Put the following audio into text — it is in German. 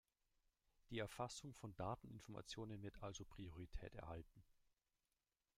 Die Erfassung von Dateninformationen wird also Priorität erhalten.